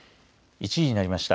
１時になりました。